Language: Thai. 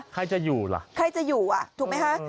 ใครจะอยู่ล่ะใครจะอยู่อ่ะถูกไหมคะ